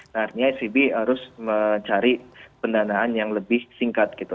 nah artinya svb harus mencari pendanaan yang lebih singkat gitu